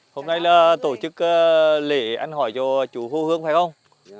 hôm nay là tổ chức lễ ăn hỏi cho chú hô hương phải không